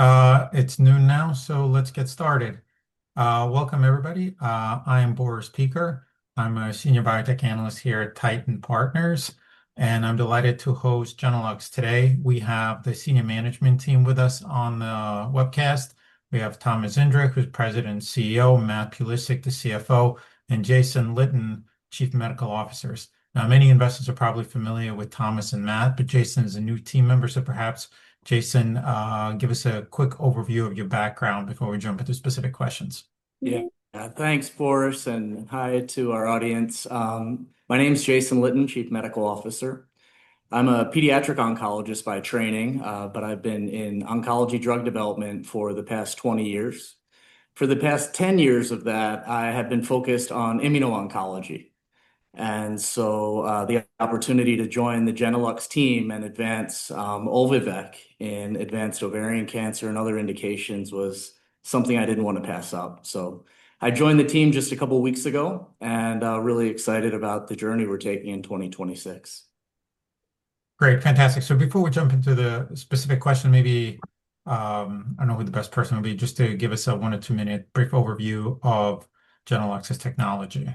Okay. It's noon now, let's get started. Welcome, everybody. I am Boris Peaker. I'm a Senior Biotech Analyst here at Titan Partners, and I'm delighted to host Genelux today. We have the senior management team with us on the webcast. We have Thomas Zindrick, who's President and CEO, Matt Pulisic, the CFO, and Jason Litten, Chief Medical Officer. Many investors are probably familiar with Thomas and Matt, Jason is a new team member. Perhaps, Jason, give us a quick overview of your background before we jump into specific questions. Yeah. Thanks, Boris, hi to our audience. My name's Jason Litten, chief medical officer. I'm a pediatric oncologist by training. I've been in oncology drug development for the past 20 years. For the past 10 years of that, I have been focused on immuno-oncology. The opportunity to join the Genelux team and advance Olvi-Vec in advanced ovarian cancer and other indications was something I didn't want to pass up. I joined the team just a couple of weeks ago and really excited about the journey we're taking in 2026. Great. Fantastic. Before we jump into the specific question, maybe, I don't know who the best person will be, just to give us a one-to-two minute brief overview of Genelux's technology.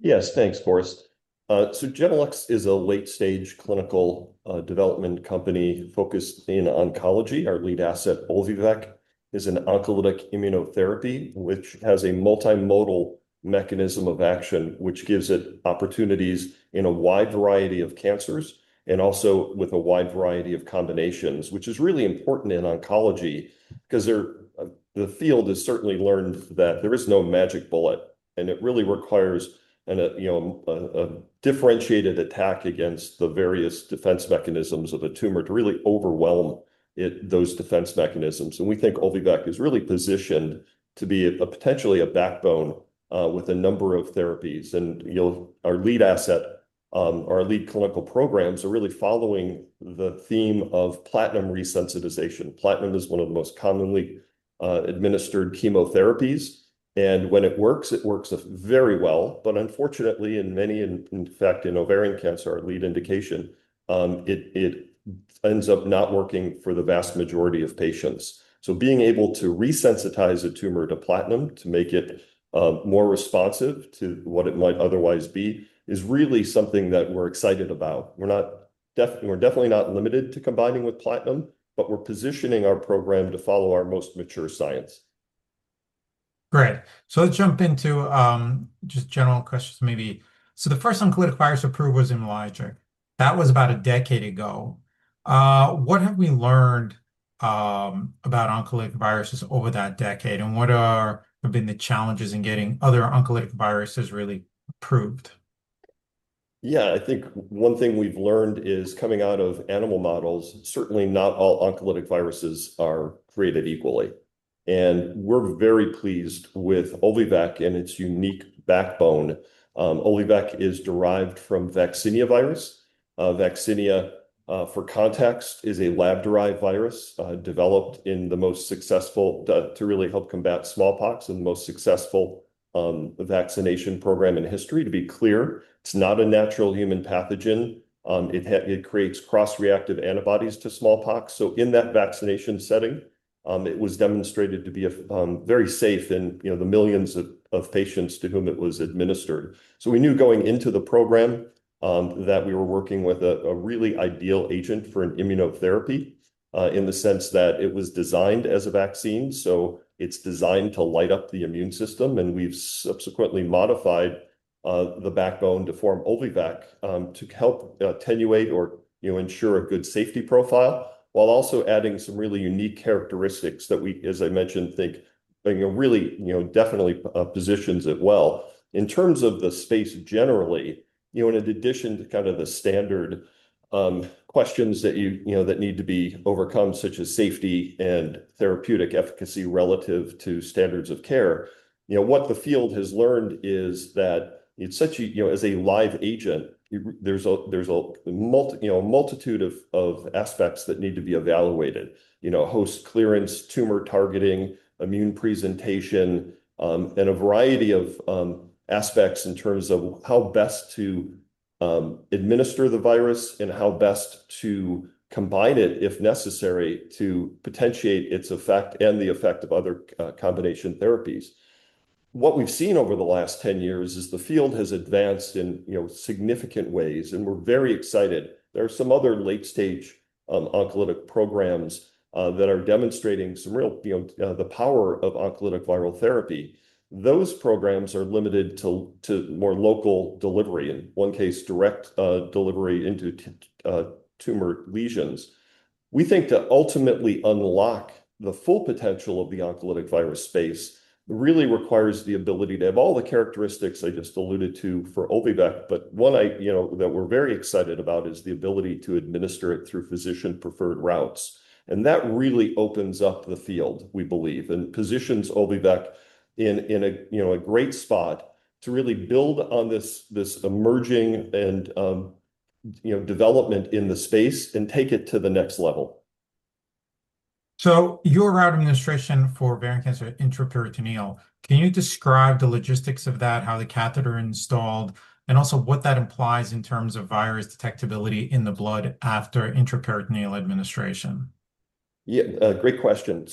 Yes, thanks, Boris. Genelux is a late-stage clinical development company focused in oncology. Our lead asset, Olvi-Vec, is an oncolytic immunotherapy, which has a multimodal mechanism of action, which gives it opportunities in a wide variety of cancers and also with a wide variety of combinations, which is really important in oncology because the field has certainly learned that there is no magic bullet, and it really requires a differentiated attack against the various defense mechanisms of a tumor to really overwhelm those defense mechanisms. We think Olvi-Vec is really positioned to be potentially a backbone with a number of therapies. Our lead asset, our lead clinical programs are really following the theme of platinum resensitization. Platinum is one of the most commonly administered chemotherapies, and when it works, it works very well. Unfortunately, in many, in fact, in ovarian cancer, our lead indication, it ends up not working for the vast majority of patients. Being able to resensitize a tumor to platinum to make it more responsive to what it might otherwise be is really something that we're excited about. We're definitely not limited to combining with platinum, but we're positioning our program to follow our most mature science. Great. Let's jump into just general questions, maybe. The first oncolytic virus approved was IMLYGIC. That was about a decade ago. What have we learned about oncolytic viruses over that decade, and what have been the challenges in getting other oncolytic viruses really approved? Yeah, I think one thing we've learned is coming out of animal models, certainly not all oncolytic viruses are created equally, and we're very pleased with Olvi-Vec and its unique backbone. Olvi-Vec is derived from vaccinia virus. Vaccinia, for context, is a lab-derived virus developed to really help combat smallpox in the most successful vaccination program in history. To be clear, it's not a natural human pathogen. It creates cross-reactive antibodies to smallpox. In that vaccination setting, it was demonstrated to be very safe in the millions of patients to whom it was administered. We knew going into the program that we were working with a really ideal agent for an immunotherapy, in the sense that it was designed as a vaccine. It's designed to light up the immune system, and we've subsequently modified the backbone to form Olvi-Vec, to help attenuate or ensure a good safety profile, while also adding some really unique characteristics that we, as I mentioned, think really definitely positions it well. In terms of the space generally, in addition to the standard questions that need to be overcome, such as safety and therapeutic efficacy relative to standards of care. What the field has learned is that as a live agent, there's a multitude of aspects that need to be evaluated, host clearance, tumor targeting, immune presentation, and a variety of aspects in terms of how best to administer the virus and how best to combine it, if necessary, to potentiate its effect and the effect of other combination therapies. What we've seen over the last 10 years is the field has advanced in significant ways, and we're very excited. There are some other late-stage oncolytic programs that are demonstrating the power of oncolytic viral therapy. Those programs are limited to more local delivery. In one case, direct delivery into tumor lesions. We think to ultimately unlock the full potential of the oncolytic virus space really requires the ability to have all the characteristics I just alluded to for Olvi-Vec. One that we're very excited about is the ability to administer it through physician-preferred routes. That really opens up the field, we believe, and positions Olvi-Vec in a great spot to really build on this emerging development in the space and take it to the next level. Your route of administration for ovarian cancer, intraperitoneal. Can you describe the logistics of that, how the catheter installed, and also what that implies in terms of virus detectability in the blood after intraperitoneal administration? Yeah, great question.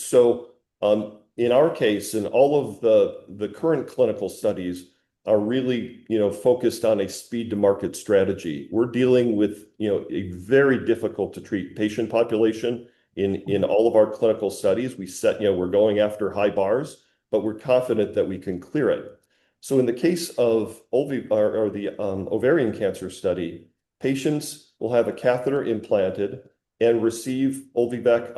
In our case, in all of the current clinical studies are really focused on a speed to market strategy. We're dealing with a very difficult to treat patient population in all of our clinical studies. We're going after high bars, but we're confident that we can clear it. In the case of the ovarian cancer study, patients will have a catheter implanted and receive Olvi-Vec,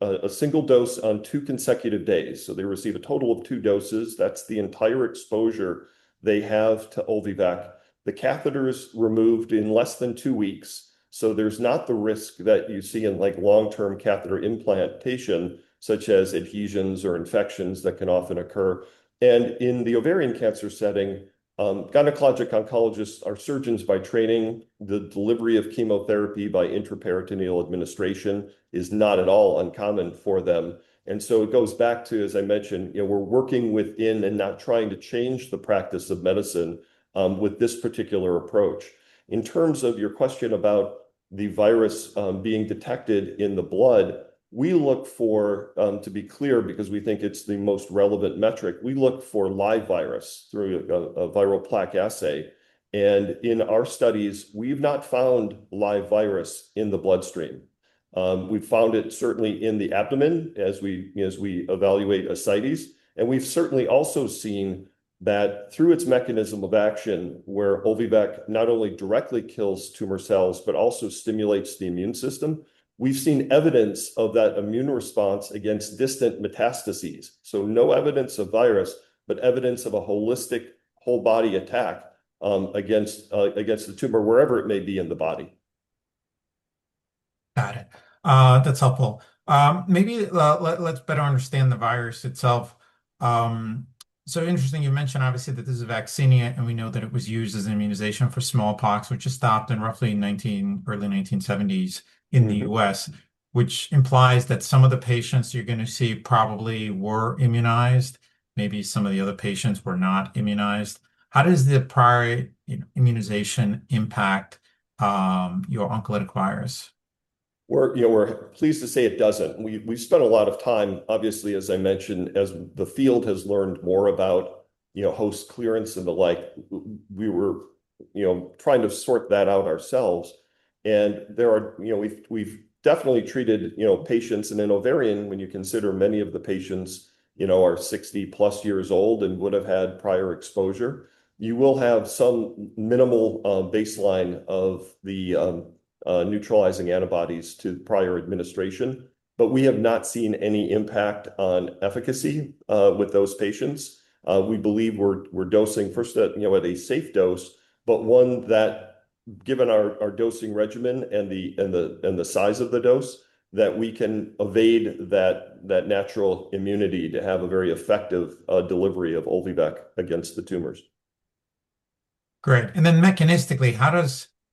a single dose on two consecutive days. They receive a total of two doses. That's the entire exposure they have to Olvi-Vec. The catheter is removed in less than two weeks, so there's not the risk that you see in long-term catheter implantation, such as adhesions or infections that can often occur. In the ovarian cancer setting, gynecologic oncologists are surgeons by training. The delivery of chemotherapy by intraperitoneal administration is not at all uncommon for them. It goes back to, as I mentioned, we're working within and not trying to change the practice of medicine with this particular approach. In terms of your question about the virus being detected in the blood, we look for, to be clear, because we think it's the most relevant metric, we look for live virus through a viral plaque assay. In our studies, we've not found live virus in the bloodstream. We've found it certainly in the abdomen as we evaluate ascites. We've certainly also seen that through its mechanism of action, where Olvi-Vec not only directly kills tumor cells but also stimulates the immune system. We've seen evidence of that immune response against distant metastases. No evidence of virus, but evidence of a holistic whole body attack against the tumor, wherever it may be in the body. Got it. That's helpful. Maybe let's better understand the virus itself. Interesting you mention, obviously, that this is a vaccinia, and we know that it was used as an immunization for smallpox, which was stopped in roughly early 1970s in the U.S., which implies that some of the patients you're going to see probably were immunized. Maybe some of the other patients were not immunized. How does the prior immunization impact your oncolytic virus? We're pleased to say it doesn't. We've spent a lot of time, obviously, as I mentioned, as the field has learned more about host clearance and the like. We were trying to sort that out ourselves. We've definitely treated patients. In ovarian, when you consider many of the patients are 60+ years old and would have had prior exposure, you will have some minimal baseline of the neutralizing antibodies to prior administration. We have not seen any impact on efficacy with those patients. We believe we're dosing, first at a safe dose, but one that, given our dosing regimen and the size of the dose, that we can evade that natural immunity to have a very effective delivery of Olvi-Vec against the tumors. Great. Then mechanistically,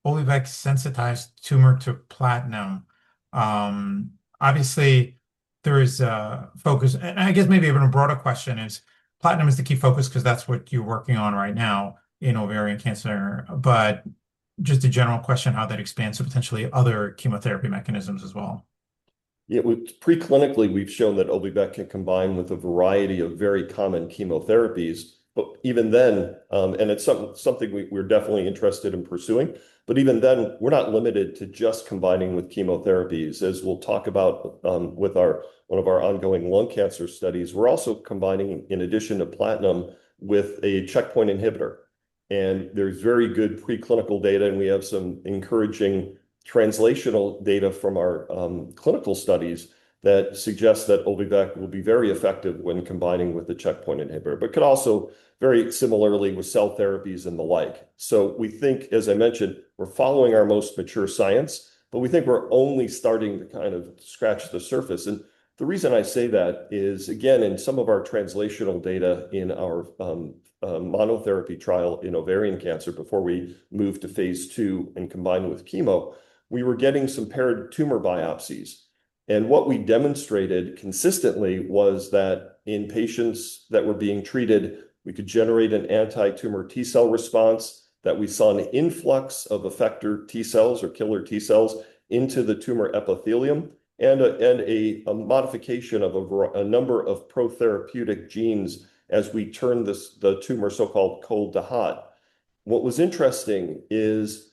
how does Olvi-Vec sensitize tumor to platinum? Obviously, there is a focus. I guess maybe even a broader question is platinum is the key focus because that's what you're working on right now in ovarian cancer. Just a general question, how that expands to potentially other chemotherapy mechanisms as well. Yeah. Pre-clinically, we've shown that Olvi-Vec can combine with a variety of very common chemotherapies. It's something we're definitely interested in pursuing. Even then, we're not limited to just combining with chemotherapies, as we'll talk about with one of our ongoing lung cancer studies. We're also combining, in addition to platinum, with a checkpoint inhibitor. There's very good pre-clinical data, and we have some encouraging translational data from our clinical studies that suggest that Olvi-Vec will be very effective when combining with the checkpoint inhibitor, but could also very similarly with cell therapies and the like. We think, as I mentioned, we're following our most mature science, but we think we're only starting to kind of scratch the surface. The reason I say that is, again, in some of our translational data in our monotherapy trial in ovarian cancer, before we moved to phase II and combined with chemo, we were getting some paired tumor biopsies. What we demonstrated consistently was that in patients that were being treated, we could generate an anti-tumor T cell response, that we saw an influx of effector T cells or killer T cells into the tumor epithelium, and a modification of a number of pro-therapeutic genes as we turn the tumor so-called cold to hot. What was interesting is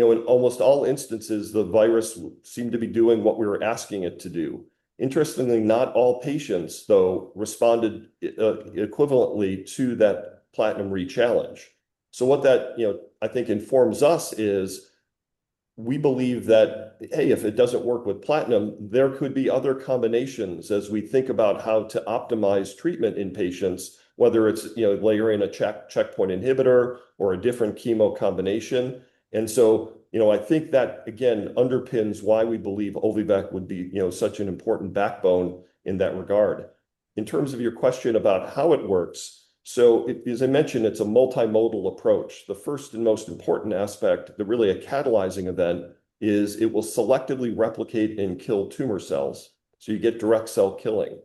in almost all instances, the virus seemed to be doing what we were asking it to do. Interestingly, not all patients, though, responded equivalently to that platinum rechallenge. What that I think informs us is we believe that, hey, if it doesn't work with platinum, there could be other combinations as we think about how to optimize treatment in patients, whether it's layering a checkpoint inhibitor or a different chemo combination. I think that, again, underpins why we believe Olvi-Vec would be such an important backbone in that regard. In terms of your question about how it works, so as I mentioned, it's a multimodal approach. The first and most important aspect, really a catalyzing event, is it will selectively replicate and kill tumor cells, so you get direct cell killing.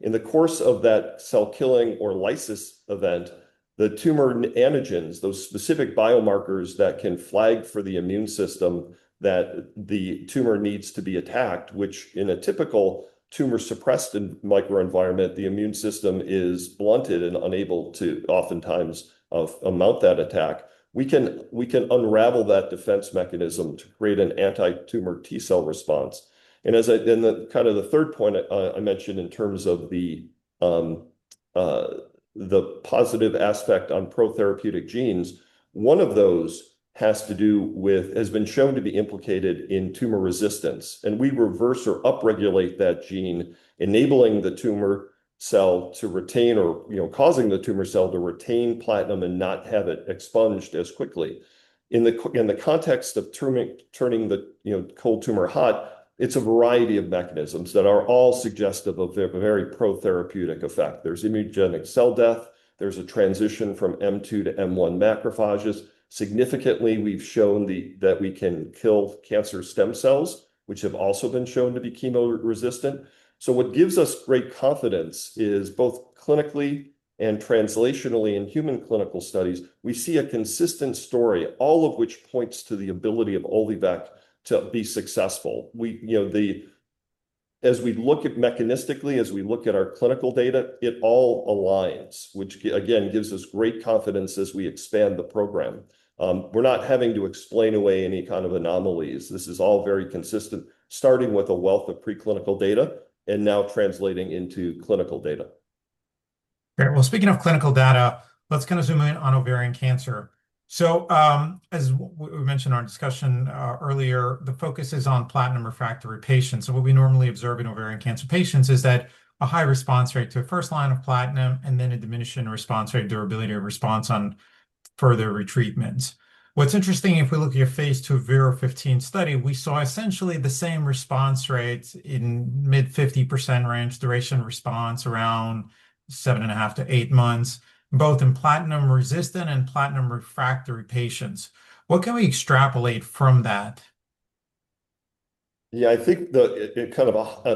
In the course of that cell killing or lysis event. The tumor antigens, those specific biomarkers that can flag for the immune system that the tumor needs to be attacked, which in a typical tumor-suppressed microenvironment, the immune system is blunted and unable to oftentimes amount that attack. We can unravel that defense mechanism to create an anti-tumor T-cell response. The third point I mentioned in terms of the positive aspect on pro-therapeutic genes, one of those has been shown to be implicated in tumor resistance. We reverse or upregulate that gene, enabling the tumor cell to retain, or causing the tumor cell to retain platinum and not have it expunged as quickly. In the context of turning the cold tumor hot, it's a variety of mechanisms that are all suggestive of a very pro-therapeutic effect. There's immunogenic cell death. There's a transition from M2 to M1 macrophages. Significantly, we've shown that we can kill cancer stem cells, which have also been shown to be chemo-resistant. What gives us great confidence is both clinically and translationally in human clinical studies, we see a consistent story, all of which points to the ability of Olvi-Vec to be successful. As we look at mechanistically, as we look at our clinical data, it all aligns, which again, gives us great confidence as we expand the program. We're not having to explain away any kind of anomalies. This is all very consistent, starting with a wealth of preclinical data and now translating into clinical data. Great. Well, speaking of clinical data, let's zoom in on ovarian cancer. As we mentioned in our discussion earlier, the focus is on platinum-refractory patients. What we normally observe in ovarian cancer patients is that a high response rate to a first line of platinum, and then a diminishing response rate durability of response on further retreatments. What's interesting, if we look at your phase II VIRO-15 study, we saw essentially the same response rates in mid-50% range duration response around 7.5-8 months, both in platinum-resistant and platinum-refractory patients. What can we extrapolate from that? Yeah, I think at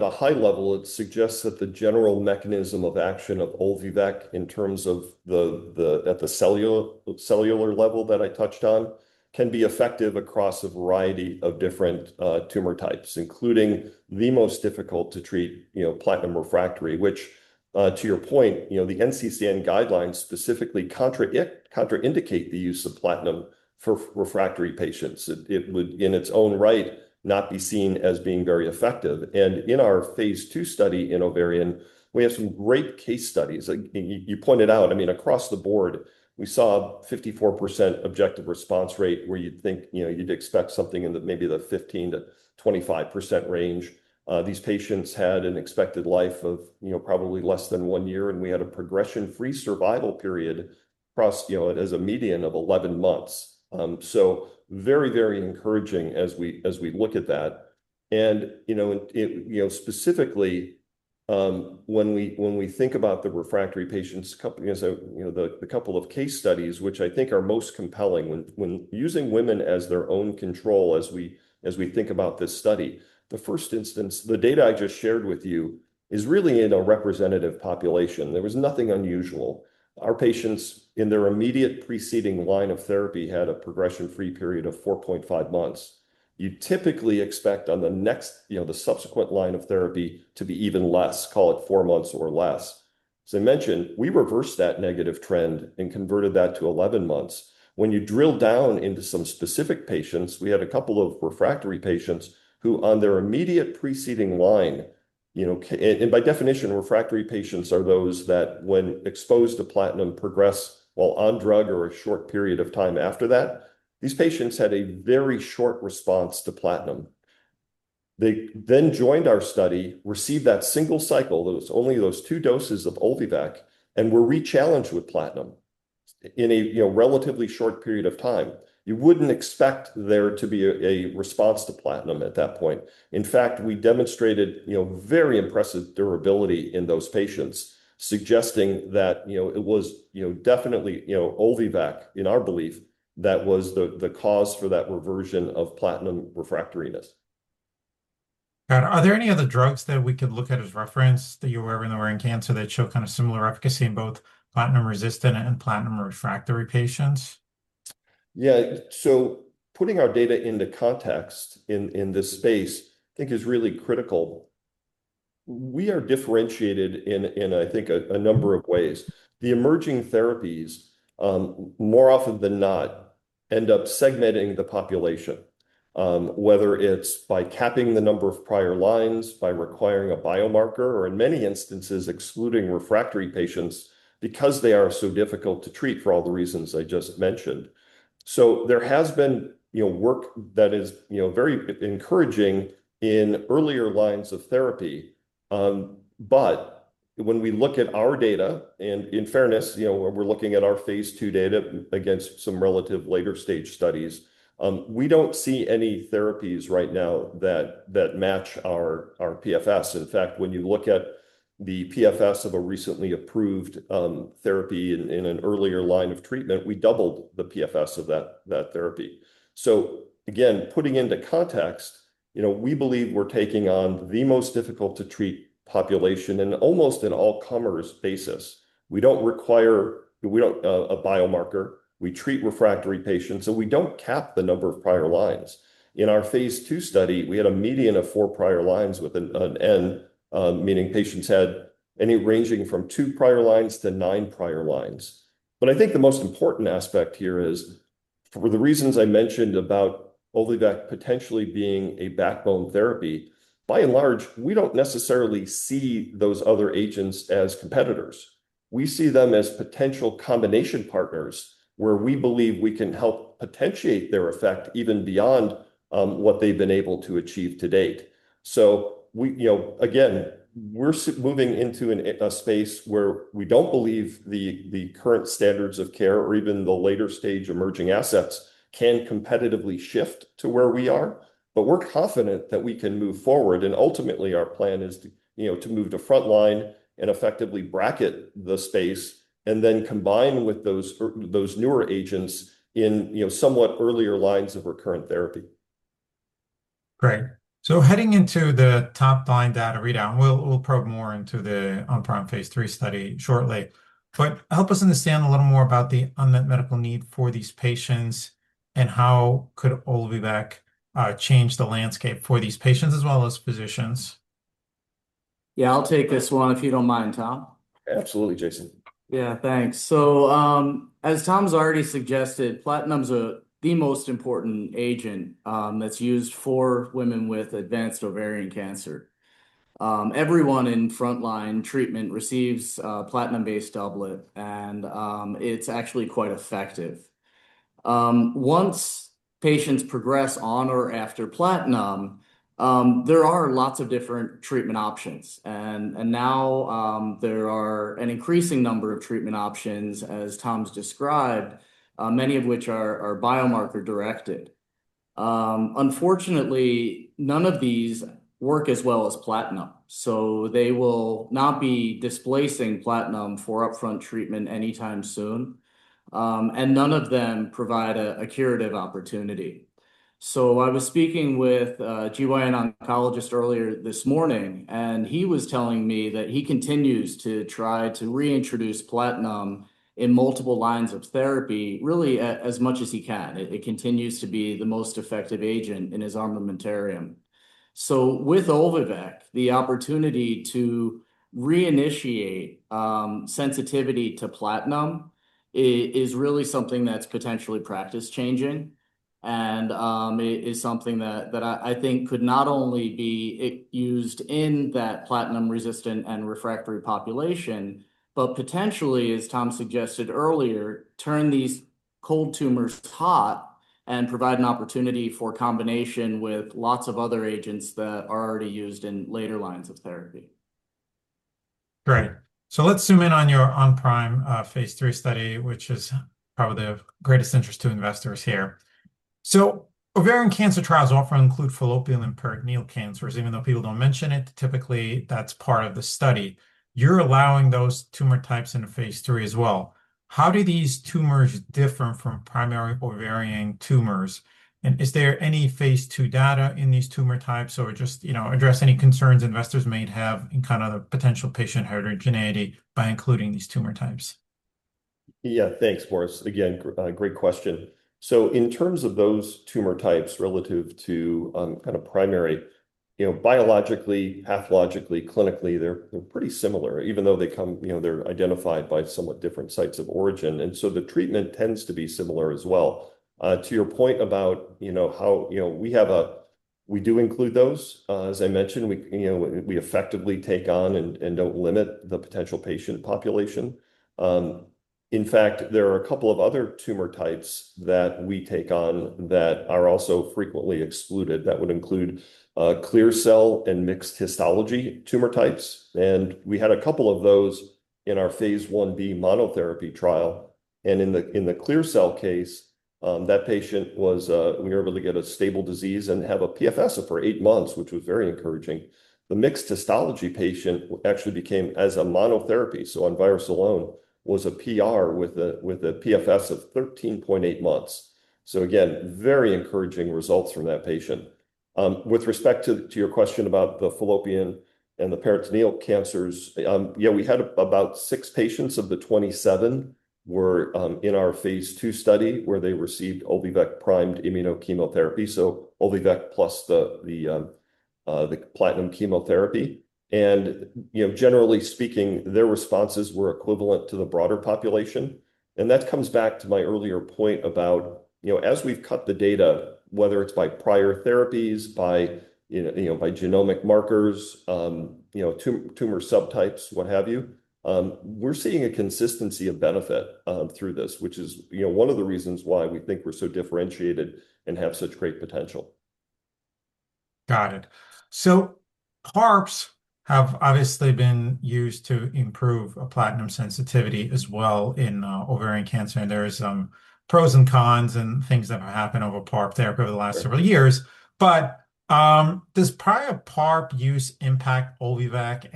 a high level, it suggests that the general mechanism of action of Olvi-Vec in terms of at the cellular level that I touched on can be effective across a variety of different tumor types, including the most difficult to treat, platinum-refractory. Which, to your point, the NCCN guidelines specifically contraindicate the use of platinum for refractory patients. It would, in its own right, not be seen as being very effective. In our phase II study in ovarian, we have some great case studies. You pointed out, across the board, we saw 54% objective response rate where you'd expect something in maybe the 15%-25% range. These patients had an expected life of probably less than one year, and we had a progression-free survival period across as a median of 11 months. So very, very encouraging as we look at that. Specifically, when we think about the refractory patients, the couple of case studies which I think are most compelling when using women as their own control as we think about this study. The first instance, the data I just shared with you is really in a representative population. There was nothing unusual. Our patients, in their immediate preceding line of therapy, had a progression-free period of 4.5 months. You'd typically expect on the subsequent line of therapy to be even less, call it four months or less. As I mentioned, we reversed that negative trend and converted that to 11 months. When you drill down into some specific patients, we had a couple of refractory patients who on their immediate preceding line. By definition, refractory patients are those that when exposed to platinum progress while on drug or a short period of time after that. These patients had a very short response to platinum. They joined our study, received that single cycle, only those two doses of Olvi-Vec, and were rechallenged with platinum in a relatively short period of time. You wouldn't expect there to be a response to platinum at that point. In fact, we demonstrated very impressive durability in those patients, suggesting that it was definitely Olvi-Vec, in our belief, that was the cause for that reversion of platinum refractoriness. Are there any other drugs that we could look at as reference that you have in ovarian cancer that show similar efficacy in both platinum-resistant and platinum-refractory patients? Yeah. Putting our data into context in this space, I think is really critical. We are differentiated in, I think, a number of ways. The emerging therapies, more often than not, end up segmenting the population. Whether it's by capping the number of prior lines, by requiring a biomarker, or in many instances, excluding refractory patients because they are so difficult to treat for all the reasons I just mentioned. There has been work that is very encouraging in earlier lines of therapy. When we look at our data, and in fairness, we're looking at our phase II data against some relative later-stage studies, we don't see any therapies right now that match our PFS. In fact, when you look at the PFS of a recently approved therapy in an earlier line of treatment, we doubled the PFS of that therapy. Again, putting into context, we believe we're taking on the most difficult to treat population in almost an all-comers basis. We don't require a biomarker. We treat refractory patients, and we don't cap the number of prior lines. In our phase II study, we had a median of four prior lines with an N, meaning patients had any ranging from two prior lines to nine prior lines. I think the most important aspect here is for the reasons I mentioned about Olvi-Vec potentially being a backbone therapy, by and large, we don't necessarily see those other agents as competitors. We see them as potential combination partners where we believe we can help potentiate their effect even beyond what they've been able to achieve to date. Again, we're moving into a space where we don't believe the current standards of care or even the later-stage emerging assets can competitively shift to where we are. We're confident that we can move forward, and ultimately our plan is to move to frontline and effectively bracket the space, and then combine with those newer agents in somewhat earlier lines of recurrent therapy. Great. Heading into the top-line data readout, and we'll probe more into the OnPrime phase III study shortly. Help us understand a little more about the unmet medical need for these patients and how could Olvi-Vec change the landscape for these patients as well as physicians? Yeah, I'll take this one, if you don't mind, Tom. Absolutely, Jason. Yeah, thanks. As Tom's already suggested, platinum's the most important agent that's used for women with advanced ovarian cancer. Everyone in frontline treatment receives a platinum-based doublet, and it's actually quite effective. Once patients progress on or after platinum, there are lots of different treatment options. Now, there are an increasing number of treatment options, as Tom's described, many of which are biomarker-directed. Unfortunately, none of these work as well as platinum, so they will not be displacing platinum for upfront treatment anytime soon. None of them provide a curative opportunity. I was speaking with a gynecologic oncologist earlier this morning, and he was telling me that he continues to try to reintroduce platinum in multiple lines of therapy really as much as he can. It continues to be the most effective agent in his armamentarium. With Olvi-Vec, the opportunity to reinitiate sensitivity to platinum is really something that's potentially practice-changing and is something that I think could not only be used in that platinum-resistant and refractory population, but potentially, as Tom suggested earlier, turn these cold tumors hot and provide an opportunity for combination with lots of other agents that are already used in later lines of therapy. Great. Let's zoom in on your OnPrime phase III study, which is probably of greatest interest to investors here. Ovarian cancer trials often include fallopian and peritoneal cancers, even though people don't mention it, typically that's part of the study. You're allowing those tumor types into phase III as well. How do these tumors differ from primary ovarian tumors? Is there any phase II data in these tumor types or just address any concerns investors may have in the potential patient heterogeneity by including these tumor types? Yeah, thanks, Boris. Again, great question. In terms of those tumor types relative to primary, biologically, pathologically, clinically, they're pretty similar, even though they're identified by somewhat different sites of origin. The treatment tends to be similar as well. To your point about how we do include those, as I mentioned, we effectively take on and don't limit the potential patient population. In fact, there are a couple of other tumor types that we take on that are also frequently excluded that would include clear cell and mixed histology tumor types. We had a couple of those in our phase I-B monotherapy trial. In the clear cell case, we were able to get a stable disease and have a PFS for eight months, which was very encouraging. The mixed histology patient actually became, as a monotherapy, so on virus alone, was a PR with a PFS of 13.8 months. Again, very encouraging results from that patient. With respect to your question about the fallopian and the peritoneal cancers, we had about six patients of the 27 were in our phase II study where they received Olvi-Vec-primed immunochemotherapy, so Olvi-Vec plus the platinum chemotherapy. Generally speaking, their responses were equivalent to the broader population. That comes back to my earlier point about as we've cut the data, whether it's by prior therapies, by genomic markers, tumor subtypes, what have you, we're seeing a consistency of benefit through this, which is one of the reasons why we think we're so differentiated and have such great potential. Got it. PARPs have obviously been used to improve platinum sensitivity as well in ovarian cancer, and there is pros and cons and things that have happened over PARP therapy over the last several years. Does prior PARP use impact Olvi-Vec?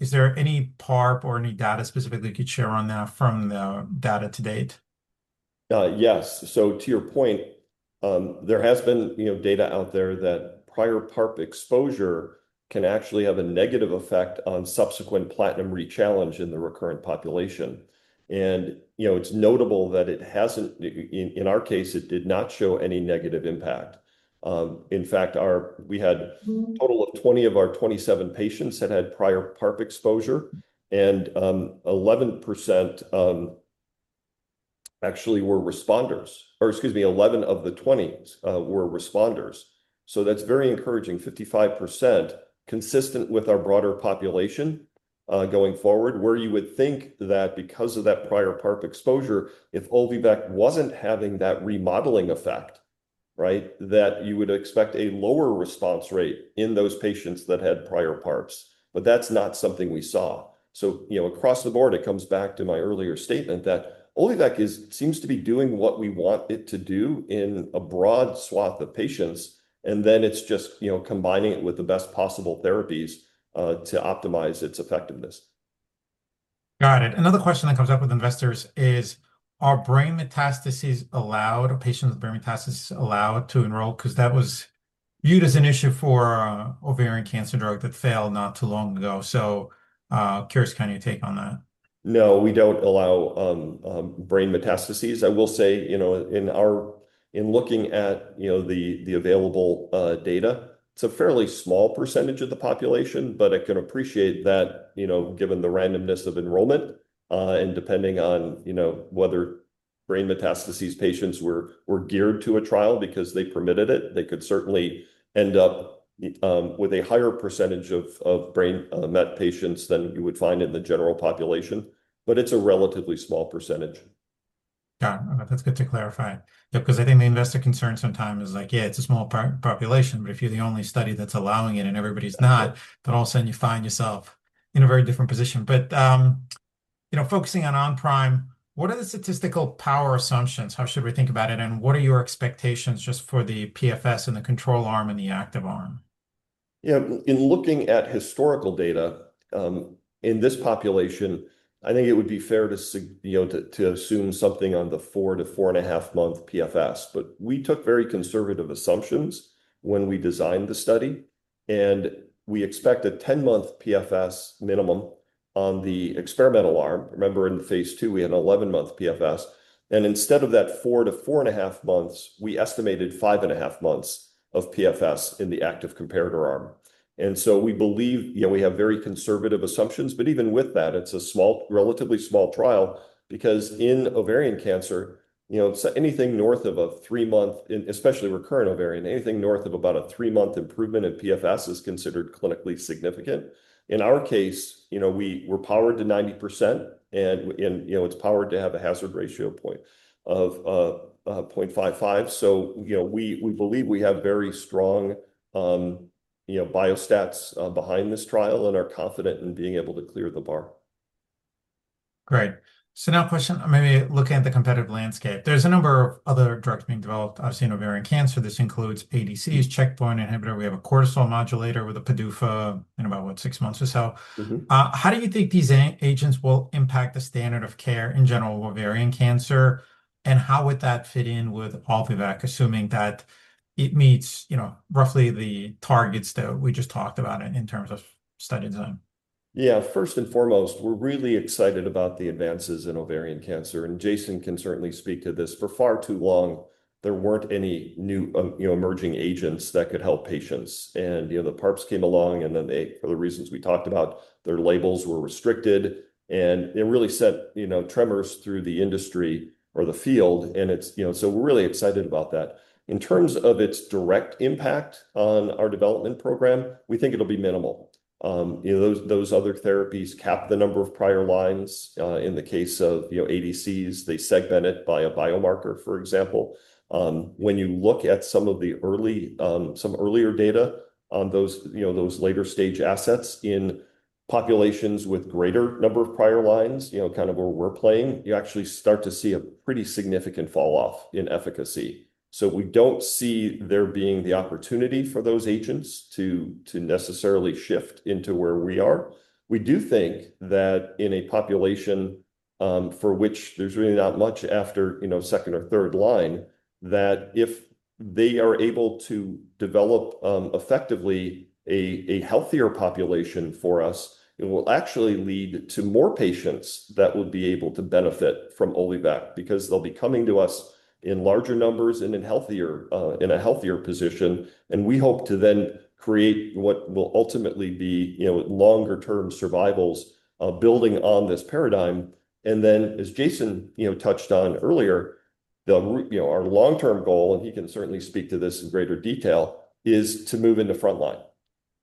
Is there any PARP or any data specifically you could share on that from the data to date? Yes. To your point, there has been data out there that prior PARP exposure can actually have a negative effect on subsequent platinum rechallenge in the recurrent population. It's notable that in our case, it did not show any negative impact. In fact, we had total of 20 of our 27 patients had had prior PARP exposure, and 11% actually were responders, 11 of the 20 were responders. That's very encouraging, 55% consistent with our broader population going forward. Where you would think that because of that prior PARP exposure, if Olvi-Vec wasn't having that remodeling effect, that you would expect a lower response rate in those patients that had prior PARPs. That's not something we saw. Across the board, it comes back to my earlier statement that Olvi-Vec seems to be doing what we want it to do in a broad swath of patients, and then it's just combining it with the best possible therapies to optimize its effectiveness. Got it. Another question that comes up with investors is, are brain metastases allowed, or patients with brain metastases allowed to enroll? Because that was viewed as an issue for ovarian cancer drug that failed not too long ago. Curious, kind of your take on that. No, we don't allow brain metastases. I will say, in looking at the available data, it's a fairly small percentage of the population, but I can appreciate that, given the randomness of enrollment, and depending on whether brain metastases patients were geared to a trial because they permitted it. They could certainly end up with a higher percentage of brain met patients than you would find in the general population. It's a relatively small percentage. Got it. That's good to clarify. I think the investor concern sometimes is like, yeah, it's a small population, but if you're the only study that's allowing it and everybody's not, then all of a sudden you find yourself in a very different position. Focusing on OnPrime, what are the statistical power assumptions? How should we think about it, and what are your expectations just for the PFS and the control arm and the active arm? In looking at historical data, in this population, I think it would be fair to assume something on the four to four and a half month PFS. We took very conservative assumptions when we designed the study, and we expect a 10-month PFS minimum on the experimental arm. Remember, in phase II we had an 11-month PFS. Instead of that four to four and a half months, we estimated five and a half months of PFS in the active comparator arm. We believe we have very conservative assumptions, but even with that, it's a relatively small trial because in ovarian cancer, anything north of a three-month—and especially recurrent ovarian, anything north of about a three-month improvement in PFS is considered clinically significant. In our case, we're powered to 90%, and it's powered to have a hazard ratio point of 0.55. We believe we have very strong biostats behind this trial and are confident in being able to clear the bar. Great. Now question, maybe looking at the competitive landscape. There's a number of other drugs being developed, obviously in ovarian cancer. This includes ADCs, checkpoint inhibitor. We have a cortisol modulator with a PDUFA in about, what, six months or so. How do you think these agents will impact the standard of care in general ovarian cancer, and how would that fit in with Olvi-Vec, assuming that it meets roughly the targets that we just talked about in terms of study design? Yeah. First and foremost, we're really excited about the advances in ovarian cancer, and Jason can certainly speak to this. For far too long, there weren't any new emerging agents that could help patients. The PARPs came along, and then for the reasons we talked about, their labels were restricted, and it really sent tremors through the industry or the field. We're really excited about that. In terms of its direct impact on our development program, we think it'll be minimal. Those other therapies cap the number of prior lines. In the case of ADCs, they segment it by a biomarker, for example. When you look at some earlier data on those later stage assets in populations with greater number of prior lines, kind of where we're playing, you actually start to see a pretty significant fall-off in efficacy. We don't see there being the opportunity for those agents to necessarily shift into where we are. We do think that in a population for which there's really not much after second or third line, that if they are able to develop effectively a healthier population for us, it will actually lead to more patients that would be able to benefit from Olvi-Vec because they'll be coming to us in larger numbers and in a healthier position. We hope to then create what will ultimately be longer term survivals, building on this paradigm. As Jason Litten touched on earlier, our long-term goal, and he can certainly speak to this in greater detail, is to move into frontline,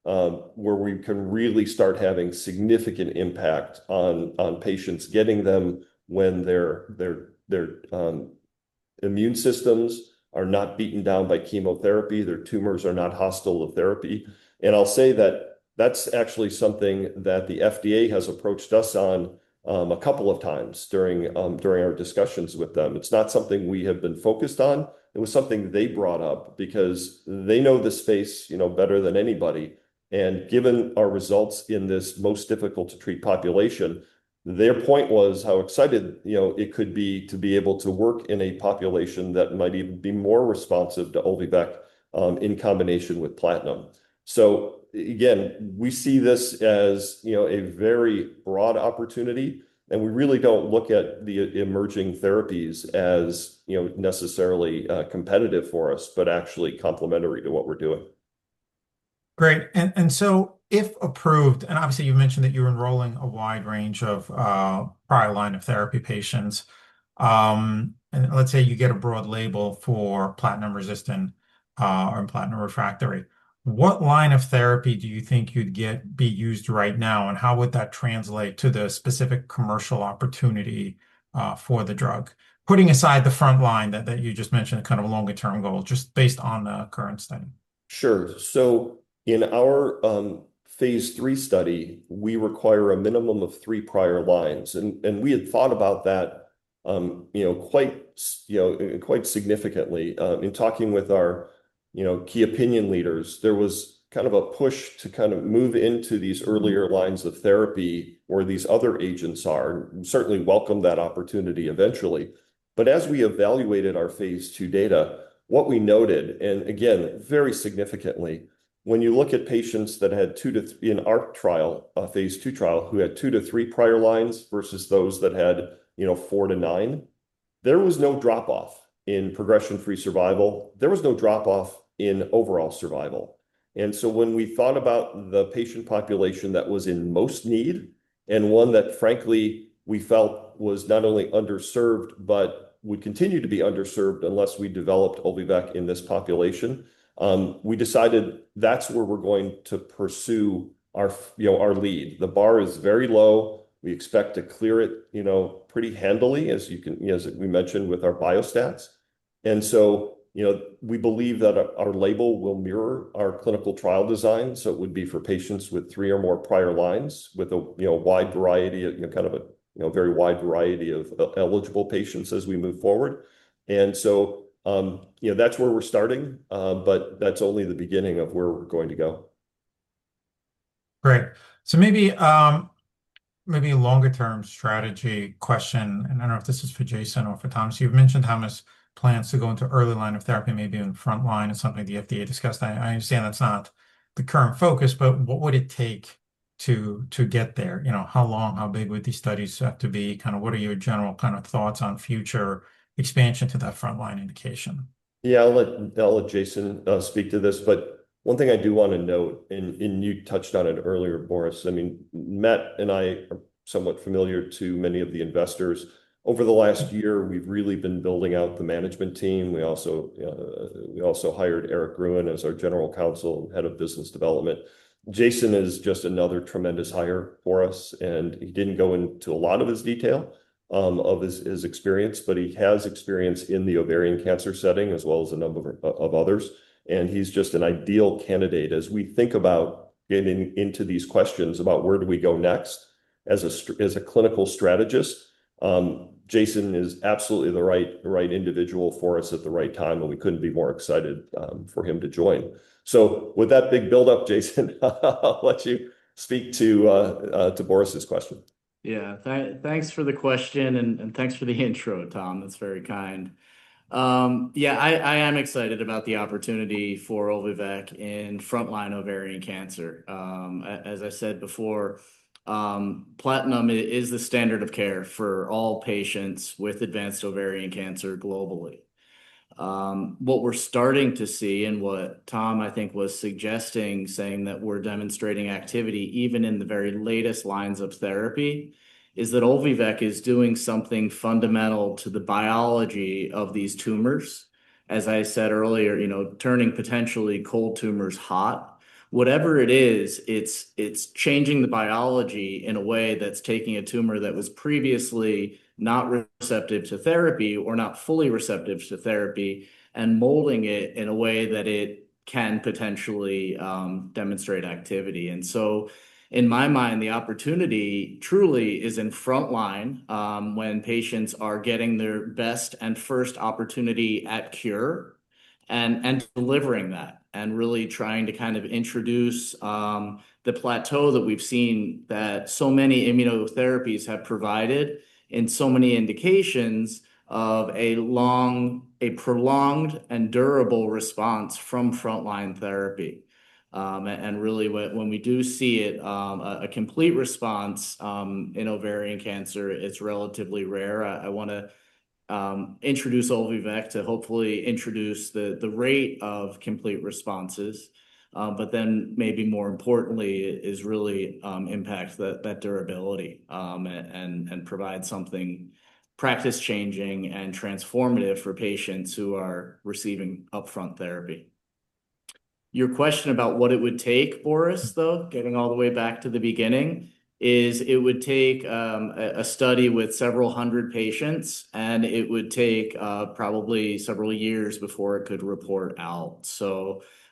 where we can really start having significant impact on patients, getting them when their immune systems are not beaten down by chemotherapy, their tumors are not hostile to therapy. I'll say that that's actually something that the FDA has approached us on a couple of times during our discussions with them. It's not something we have been focused on. It was something they brought up because they know this space better than anybody. Given our results in this most difficult to treat population, their point was how excited it could be to be able to work in a population that might even be more responsive to Olvi-Vec in combination with platinum. Again, we see this as a very broad opportunity, and we really don't look at the emerging therapies as necessarily competitive for us, but actually complementary to what we're doing. Great. If approved, obviously you mentioned that you're enrolling a wide range of prior line of therapy patients. Let's say you get a broad label for platinum-resistant or platinum refractory. What line of therapy do you think you'd get be used right now, and how would that translate to the specific commercial opportunity for the drug? Putting aside the front line that you just mentioned, a kind of a longer-term goal, just based on the current study. In our phase III study, we require a minimum of three prior lines. We had thought about that quite significantly. In talking with our key opinion leaders, there was a push to move into these earlier lines of therapy where these other agents are, and certainly welcome that opportunity eventually. As we evaluated our phase II data, what we noted, and again, very significantly, when you look at patients that had in our trial, a phase II trial, who had two to three prior lines versus those that had four to nine, there was no drop-off in progression-free survival. There was no drop-off in overall survival. When we thought about the patient population that was in most need, and one that frankly we felt was not only underserved but would continue to be underserved unless we developed Olvi-Vec in this population, we decided that's where we're going to pursue our lead. The bar is very low. We expect to clear it pretty handily, as we mentioned with our biostats. We believe that our label will mirror our clinical trial design, so it would be for patients with 3 or more prior lines with a very wide variety of eligible patients as we move forward. That's where we're starting. That's only the beginning of where we're going to go. Great. Maybe a longer-term strategy question. I don't know if this is for Jason or for Thomas. You've mentioned, Thomas, plans to go into early line of therapy, maybe even front line is something the FDA discussed. I understand that's not the current focus, what would it take to get there? How long, how big would these studies have to be? What are your general thoughts on future expansion to that front-line indication? Yeah. I'll let Jason speak to this. One thing I do want to note, and you touched on it earlier, Boris. Matt and I are somewhat familiar to many of the investors. Over the last year, we've really been building out the management team. We also hired Eric Groen as our General Counsel and Head of Business Development. Jason is just another tremendous hire for us. He didn't go into a lot of his detail of his experience, he has experience in the ovarian cancer setting as well as a number of others. He's just an ideal candidate as we think about getting into these questions about where do we go next as a clinical strategist. Jason is absolutely the right individual for us at the right time. We couldn't be more excited for him to join. With that big build-up, Jason, I'll let you speak to Boris's question. Yeah. Thanks for the question, and thanks for the intro, Tom. That's very kind. Yeah, I am excited about the opportunity for Olvi-Vec in frontline ovarian cancer. As I said before, platinum is the standard of care for all patients with advanced ovarian cancer globally. What we're starting to see and what Tom, I think, was suggesting, saying that we're demonstrating activity even in the very latest lines of therapy, is that Olvi-Vec is doing something fundamental to the biology of these tumors. As I said earlier, turning potentially cold tumors hot. Whatever it is, it's changing the biology in a way that's taking a tumor that was previously not receptive to therapy or not fully receptive to therapy, and molding it in a way that it can potentially demonstrate activity. In my mind, the opportunity truly is in frontline, when patients are getting their best and first opportunity at cure and delivering that, and really trying to introduce the plateau that we've seen that so many immunotherapies have provided and so many indications of a prolonged and durable response from frontline therapy. Really when we do see it, a complete response in ovarian cancer, it's relatively rare. I want to introduce Olvi-Vec to hopefully introduce the rate of complete responses. Maybe more importantly is really impact that durability, and provide something practice-changing and transformative for patients who are receiving upfront therapy. Your question about what it would take, Boris, though, getting all the way back to the beginning, is it would take a study with several hundred patients, and it would take probably several years before it could report out.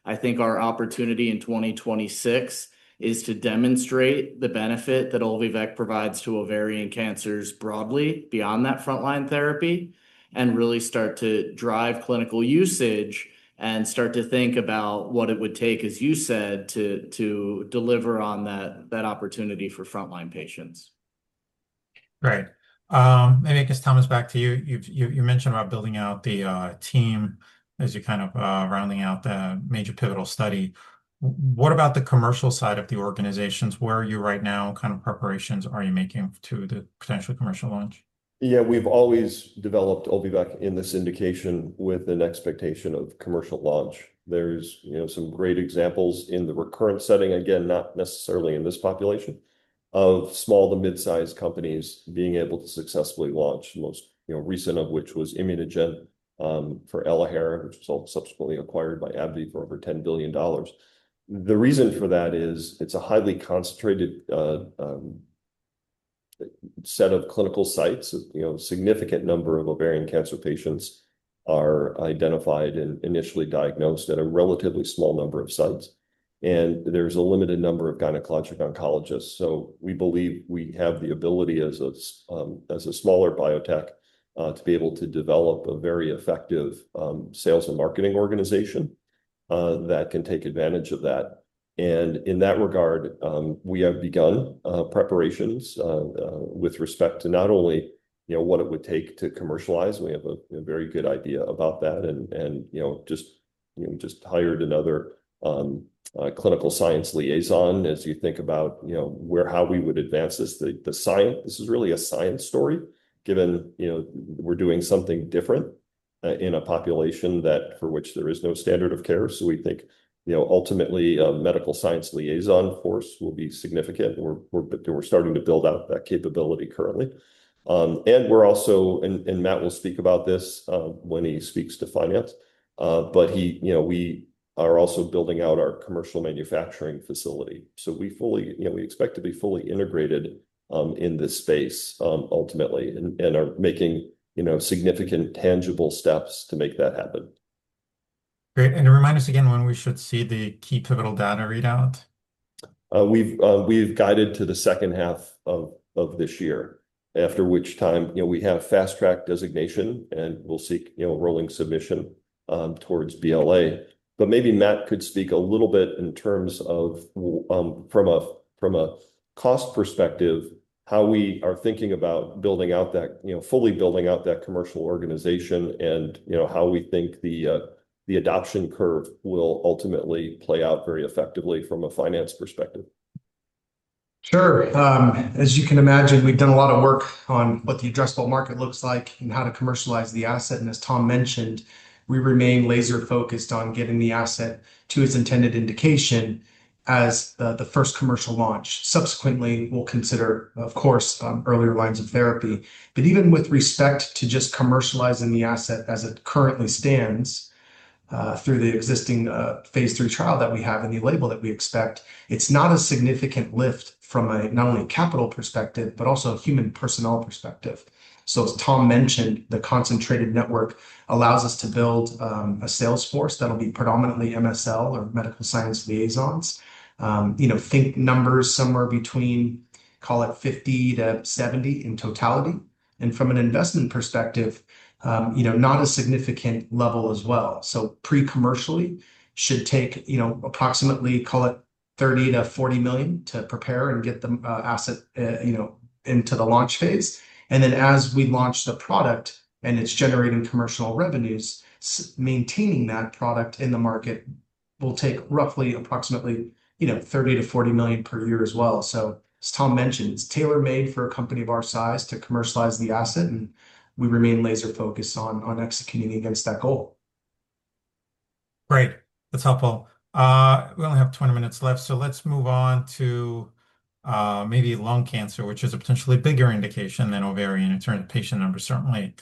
I think our opportunity in 2026 is to demonstrate the benefit that Olvi-Vec provides to ovarian cancers broadly beyond that frontline therapy and really start to drive clinical usage and start to think about what it would take, as you said, to deliver on that opportunity for frontline patients. Great. Maybe, I guess, Thomas, back to you. You mentioned about building out the team as you're kind of rounding out the major pivotal study. What about the commercial side of the organizations? Where are you right now? What kind of preparations are you making to the potential commercial launch? Yeah, we've always developed Olvi-Vec in this indication with an expectation of commercial launch. There's some great examples in the recurrent setting, again, not necessarily in this population, of small to mid-size companies being able to successfully launch, most recent of which was ImmunoGen for ELAHERE, which was subsequently acquired by AbbVie for over $10 billion. The reason for that is it's a highly concentrated set of clinical sites. A significant number of ovarian cancer patients are identified and initially diagnosed at a relatively small number of sites, and there's a limited number of gynecologic oncologists. We believe we have the ability, as a smaller biotech, to be able to develop a very effective sales and marketing organization that can take advantage of that. In that regard, we have begun preparations with respect to not only what it would take to commercialize, we have a very good idea about that and just hired another clinical science liaison. As you think about how we would advance this, the science, this is really a science story, given we're doing something different in a population that for which there is no standard of care. We think, ultimately, a medical science liaison force will be significant. We're starting to build out that capability currently. We're also, and Matt will speak about this when he speaks to finance, but we are also building out our commercial manufacturing facility. We expect to be fully integrated in this space ultimately and are making significant tangible steps to make that happen. Great. Remind us again when we should see the key pivotal data readout. We've guided to the second half of this year, after which time we have Fast Track designation and we'll seek rolling submission towards BLA. Maybe Matt could speak a little bit in terms of from a cost perspective, how we are thinking about fully building out that commercial organization, and how we think the adoption curve will ultimately play out very effectively from a finance perspective. Sure. As you can imagine, we've done a lot of work on what the addressable market looks like and how to commercialize the asset. As Tom mentioned, we remain laser-focused on getting the asset to its intended indication as the first commercial launch. Subsequently, we'll consider, of course, earlier lines of therapy. Even with respect to just commercializing the asset as it currently stands through the existing phase III trial that we have and the label that we expect, it's not a significant lift from a not only a capital perspective, but also a human personnel perspective. As Tom mentioned, the concentrated network allows us to build a sales force that'll be predominantly MSL or medical science liaisons. Think numbers somewhere between, call it 50-70 in totality. From an investment perspective, not a significant level as well. Pre-commercially should take approximately, call it $30 million-$40 million to prepare and get the asset into the launch phase. Then as we launch the product and it's generating commercial revenues, maintaining that product in the market will take approximately $30 million-$40 million per year as well. As Tom mentioned, it's tailor-made for a company of our size to commercialize the asset, and we remain laser-focused on executing against that goal. Great. That's helpful. We only have 20 minutes left, so let's move on to maybe lung cancer, which is a potentially bigger indication than ovarian in certain patient numbers, certainly.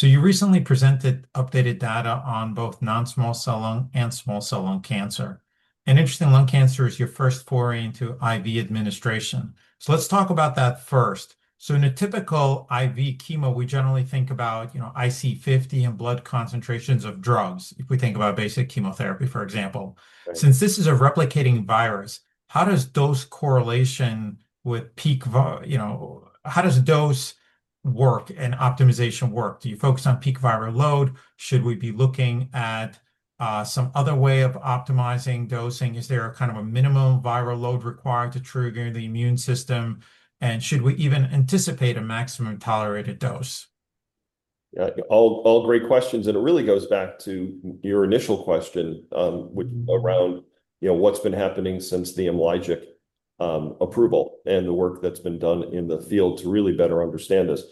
You recently presented updated data on both non-small cell lung and small cell lung cancer. Interestingly, lung cancer is your first foray into IV administration. Let's talk about that first. In a typical IV chemo, we generally think about IC50 and blood concentrations of drugs, if we think about basic chemotherapy, for example. Right. Since this is a replicating virus, how does dose work and optimization work? Do you focus on peak viral load? Should we be looking at some other way of optimizing dosing? Is there a minimum viral load required to trigger the immune system? Should we even anticipate a maximum tolerated dose? Yeah. All great questions, and it really goes back to your initial question around what's been happening since the IMLYGIC approval and the work that's been done in the field to really better understand this.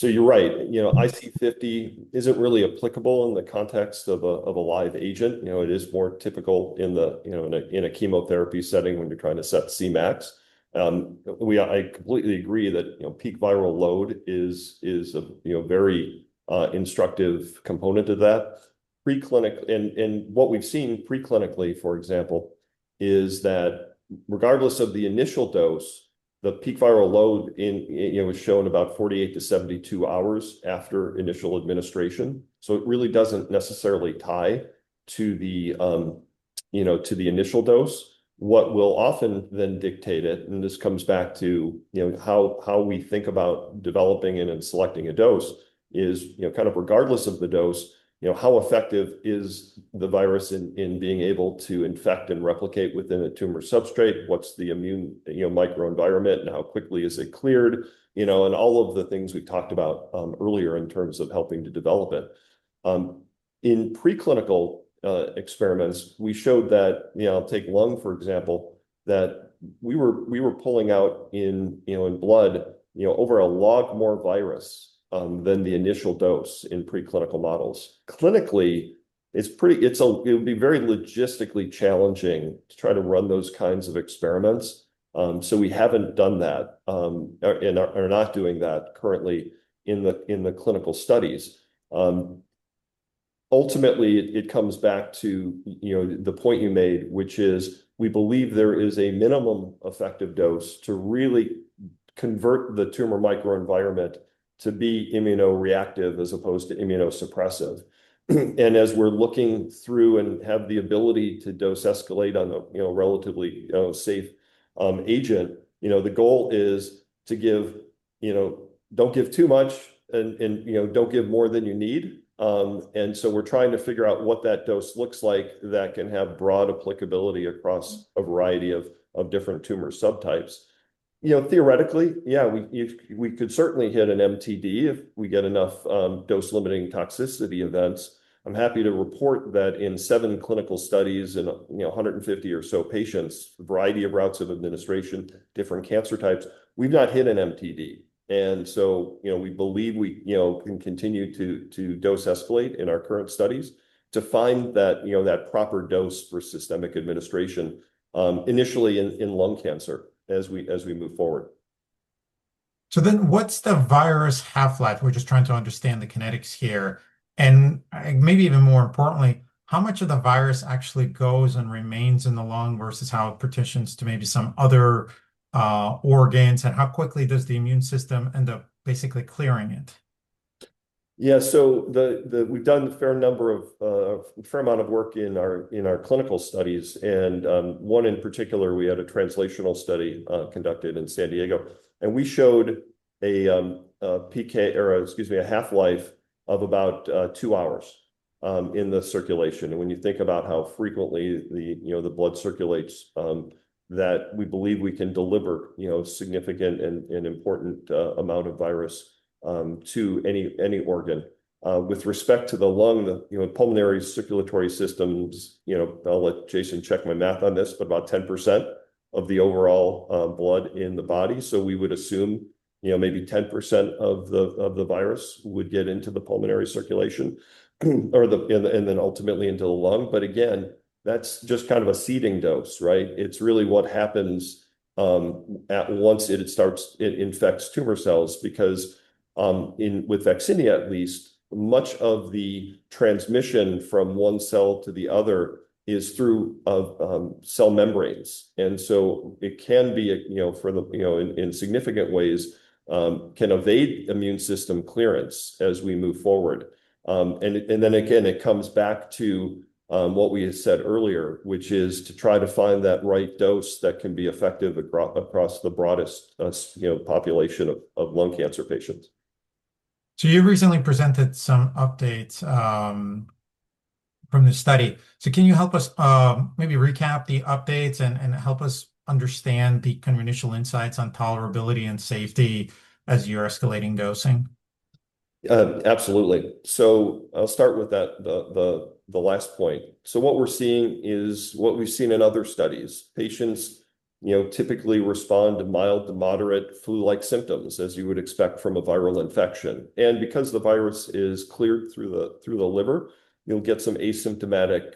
You're right. IC50 isn't really applicable in the context of a live agent. It is more typical in a chemotherapy setting when you're trying to set Cmax. I completely agree that peak viral load is a very instructive component of that. What we've seen pre-clinically, for example, is that regardless of the initial dose, the peak viral load is shown about 48-72 hours after initial administration. It really doesn't necessarily tie to the initial dose. What will often then dictate it, and this comes back to how we think about developing and selecting a dose, is regardless of the dose, how effective is the virus in being able to infect and replicate within a tumor substrate? What's the immune microenvironment, and how quickly is it cleared? All of the things we talked about earlier in terms of helping to develop it. In pre-clinical experiments, we showed that, take lung, for example, that we were pulling out in blood over a lot more virus than the initial dose in pre-clinical models. Clinically, it would be very logistically challenging to try to run those kinds of experiments. We haven't done that, and are not doing that currently in the clinical studies. Ultimately, it comes back to the point you made, which is we believe there is a minimum effective dose to really convert the tumor microenvironment to be immunoreactive as opposed to immunosuppressive. As we're looking through and have the ability to dose escalate on a relatively safe agent, the goal is don't give too much and don't give more than you need. We're trying to figure out what that dose looks like that can have broad applicability across a variety of different tumor subtypes. Theoretically, yeah, we could certainly hit an MTD if we get enough dose-limiting toxicity events. I'm happy to report that in seven clinical studies, in 150 or so patients, variety of routes of administration, different cancer types, we've not hit an MTD. We believe we can continue to dose escalate in our current studies to find that proper dose for systemic administration, initially in lung cancer as we move forward. What's the virus half-life? We're just trying to understand the kinetics here. Maybe even more importantly, how much of the virus actually goes and remains in the lung versus how it partitions to maybe some other organs, and how quickly does the immune system end up basically clearing it? Yeah. We've done a fair amount of work in our clinical studies. One in particular, we had a translational study conducted in San Diego, and we showed a half-life of about two hours in the circulation. When you think about how frequently the blood circulates, that we believe we can deliver significant and important amount of virus to any organ. With respect to the lung, the pulmonary circulatory system's, I'll let Jason check my math on this, but about 10% of the overall blood in the body. We would assume maybe 10% of the virus would get into the pulmonary circulation, and then ultimately into the lung. Again, that's just a seeding dose. It's really what happens at once it infects tumor cells, because with vaccinia at least, much of the transmission from one cell to the other is through cell membranes. It can be, in significant ways, can evade immune system clearance as we move forward. Again, it comes back to what we had said earlier, which is to try to find that right dose that can be effective across the broadest population of lung cancer patients. You recently presented some updates from the study. Can you help us maybe recap the updates and help us understand the initial insights on tolerability and safety as you're escalating dosing? Absolutely. I'll start with the last point. What we're seeing is what we've seen in other studies. Patients typically respond to mild to moderate flu-like symptoms, as you would expect from a viral infection. Because the virus is cleared through the liver, you'll get some asymptomatic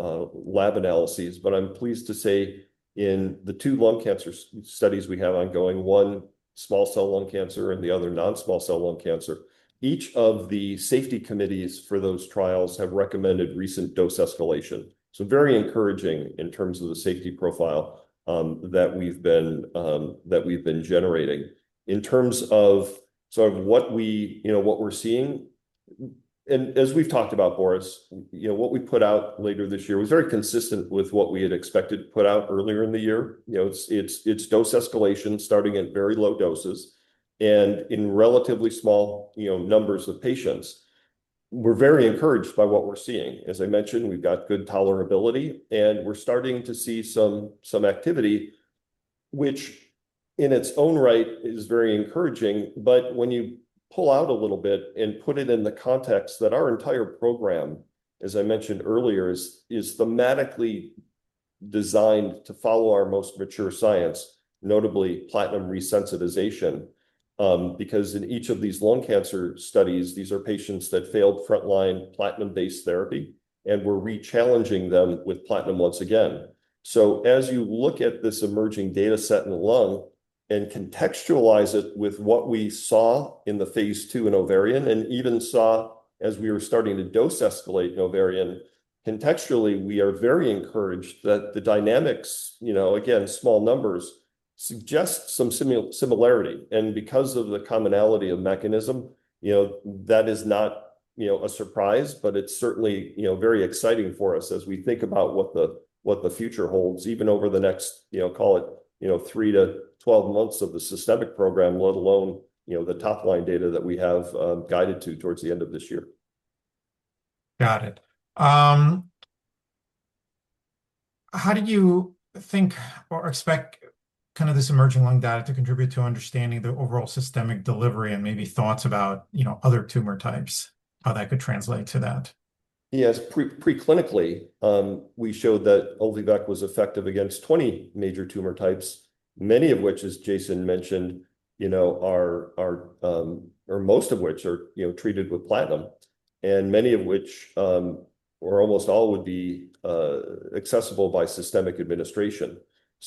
lab analyses. I'm pleased to say in the two lung cancer studies we have ongoing, one small cell lung cancer and the other non-small cell lung cancer, each of the safety committees for those trials have recommended recent dose escalation. Very encouraging in terms of the safety profile that we've been generating. In terms of what we're seeing, as we've talked about, Boris, what we put out later this year was very consistent with what we had expected to put out earlier in the year. It's dose escalation starting at very low doses and in relatively small numbers of patients. We're very encouraged by what we're seeing. As I mentioned, we've got good tolerability, and we're starting to see some activity, which in its own right is very encouraging. When you pull out a little bit and put it in the context that our entire program, as I mentioned earlier, is thematically designed to follow our most mature science, notably platinum resensitization. In each of these lung cancer studies, these are patients that failed frontline platinum-based therapy, and we're re-challenging them with platinum once again. As you look at this emerging data set in the lung and contextualize it with what we saw in the phase II in ovarian, and even saw as we were starting to dose escalate in ovarian, contextually, we are very encouraged that the dynamics, again, small numbers, suggest some similarity. Because of the commonality of mechanism, that is not a surprise, but it's certainly very exciting for us as we think about what the future holds, even over the next, call it, 3-12 months of the systemic program, let alone the top-line data that we have guided to towards the end of this year. Got it. How do you think or expect, kind of, this emerging lung data to contribute to understanding the overall systemic delivery and maybe thoughts about other tumor types, how that could translate to that? Yes. Pre-clinically, we showed that Olvi-Vec was effective against 20 major tumor types, many of which, as Jason mentioned, or most of which are treated with platinum, and many of which, or almost all, would be accessible by systemic administration.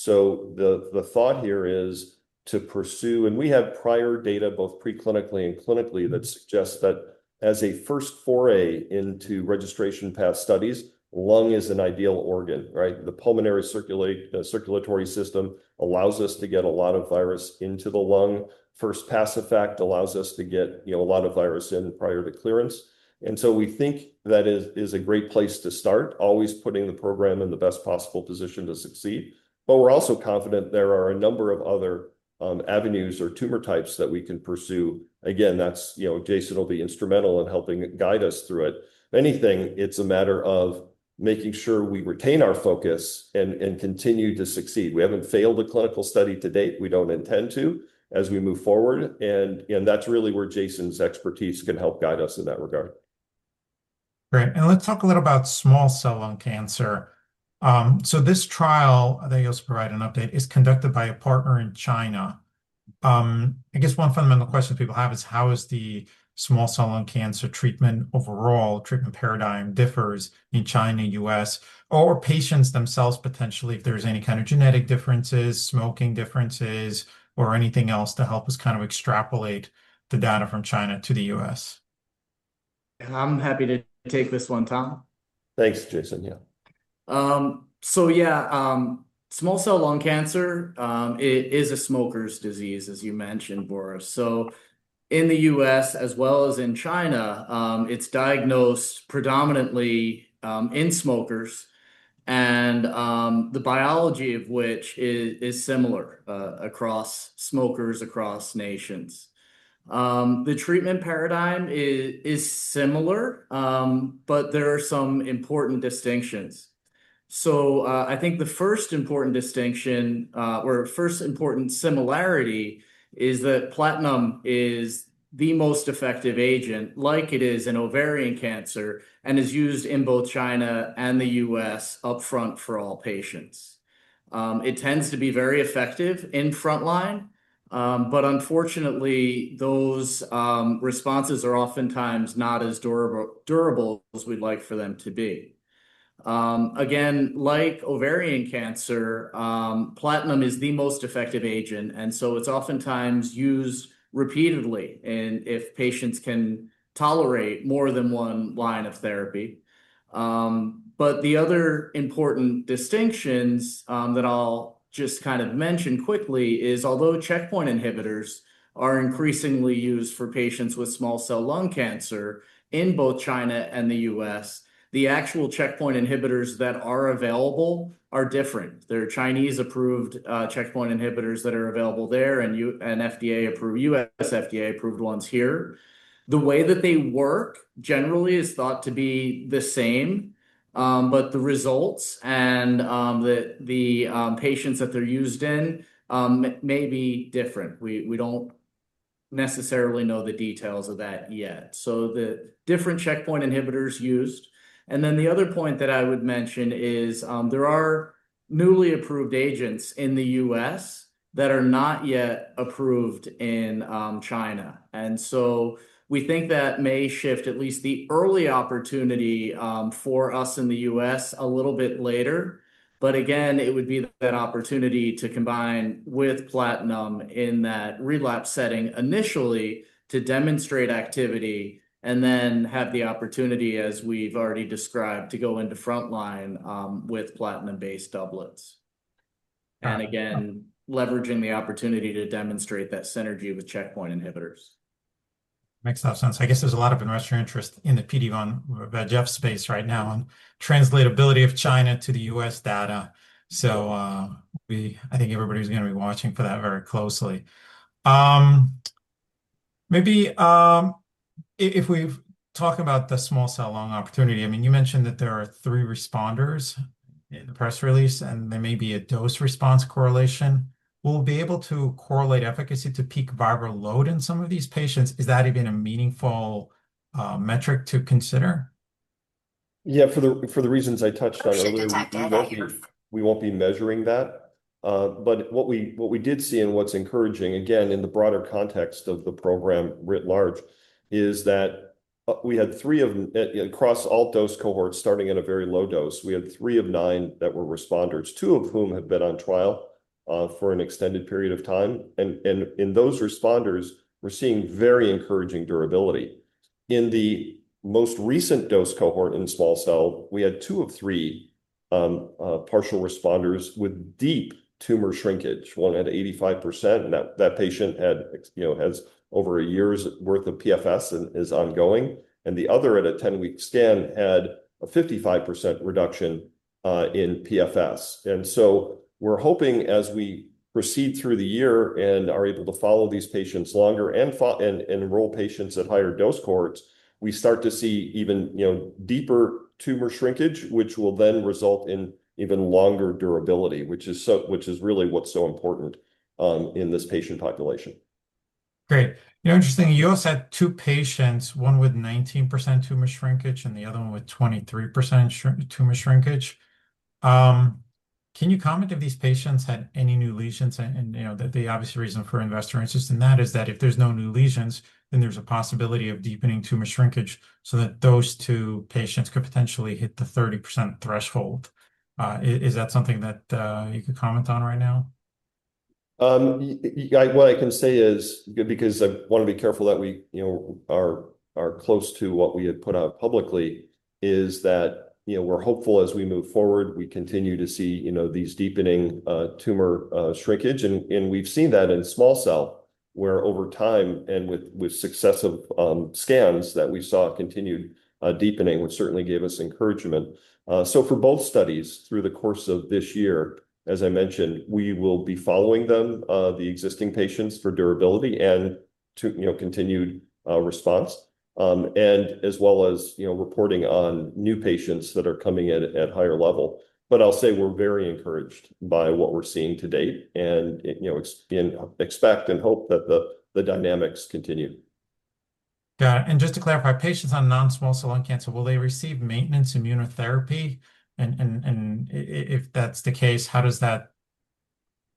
The thought here is to pursue. We have prior data, both pre-clinically and clinically, that suggests that as a first foray into registration path studies, lung is an ideal organ, right? The pulmonary circulatory system allows us to get a lot of virus into the lung. First-pass effect allows us to get a lot of virus in prior to clearance. We think that is a great place to start, always putting the program in the best possible position to succeed. We're also confident there are a number of other avenues or tumor types that we can pursue. Jason will be instrumental in helping guide us through it. If anything, it's a matter of making sure we retain our focus and continue to succeed. We haven't failed a clinical study to date. We don't intend to as we move forward, that's really where Jason's expertise can help guide us in that regard. Great. Let's talk a little about small cell lung cancer. This trial, I think you also provided an update, is conducted by a partner in China. One fundamental question people have is how is the small cell lung cancer treatment overall treatment paradigm differs in China, U.S., or patients themselves, potentially, if there's any kind of genetic differences, smoking differences or anything else to help us kind of extrapolate the data from China to the U.S. I'm happy to take this one, Tom. Thanks, Jason. Yeah. Yeah. Small cell lung cancer, it is a smoker's disease, as you mentioned, Boris Peaker. In the U.S. as well as in China, it's diagnosed predominantly in smokers, and the biology of which is similar across smokers, across nations. The treatment paradigm is similar, but there are some important distinctions. I think the first important distinction or first important similarity is that platinum is the most effective agent like it is in ovarian cancer and is used in both China and the U.S. up front for all patients. It tends to be very effective in frontline, but unfortunately, those responses are oftentimes not as durable as we'd like for them to be. Again, like ovarian cancer, platinum is the most effective agent, and so it's oftentimes used repeatedly, and if patients can tolerate more than one line of therapy. The other important distinctions that I'll just kind of mention quickly is, although checkpoint inhibitors are increasingly used for patients with small cell lung cancer in both China and the U.S., the actual checkpoint inhibitors that are available are different. There are Chinese-approved checkpoint inhibitors that are available there, and FDA-approved, U.S. FDA-approved ones here. The way that they work, generally, is thought to be the same, but the results and the patients that they're used in may be different. We don't necessarily know the details of that yet. The different checkpoint inhibitors used. The other point that I would mention is there are newly approved agents in the U.S. that are not yet approved in China. We think that may shift at least the early opportunity for us in the U.S. a little bit later. Again, it would be that opportunity to combine with platinum in that relapse setting initially to demonstrate activity and then have the opportunity, as we've already described, to go into frontline with platinum-based doublets. Again, leveraging the opportunity to demonstrate that synergy with checkpoint inhibitors. Makes a lot of sense. I guess there's a lot of investor interest in the PD-1, or that VEGF space right now on translatability of China to the U.S. data. I think everybody's going to be watching for that very closely. Maybe if we talk about the small cell lung opportunity. You mentioned that there are three responders in the press release, and there may be a dose response correlation. Will we be able to correlate efficacy to peak viral load in some of these patients? Is that even a meaningful metric to consider? Yeah. For the reasons I touched on earlier. We won't be measuring that. What we did see and what's encouraging, again, in the broader context of the program writ large, is that across all dose cohorts, starting at a very low dose, we had three of nine that were responders, two of whom had been on trial for an extended period of time. In those responders, we're seeing very encouraging durability. In the most recent dose cohort in small cell, we had two of three partial responders with deep tumor shrinkage. One had 85%, and that patient has over a year's worth of PFS and is ongoing. The other at a 10-week scan had a 55% reduction in PFS. We're hoping as we proceed through the year and are able to follow these patients longer and enroll patients at higher dose cohorts, we start to see even deeper tumor shrinkage, which will then result in even longer durability. Which is really what's so important in this patient population. Great. Interesting. You also had two patients, one with 19% tumor shrinkage and the other one with 23% tumor shrinkage. Can you comment if these patients had any new lesions? The obvious reason for investor interest in that is that if there's no new lesions, then there's a possibility of deepening tumor shrinkage so that those two patients could potentially hit the 30% threshold. Is that something that you could comment on right now? What I can say is, because I want to be careful that we are close to what we had put out publicly, is that we're hopeful as we move forward, we continue to see these deepening tumor shrinkage. We've seen that in small cell where over time and with successive scans that we saw continued deepening, which certainly gave us encouragement. For both studies through the course of this year, as I mentioned, we will be following them, the existing patients for durability and continued response. As well as reporting on new patients that are coming in at higher level. I'll say we're very encouraged by what we're seeing to date and expect and hope that the dynamics continue. Got it. Just to clarify, patients on non-small cell lung cancer, will they receive maintenance immunotherapy? If that's the case, what kind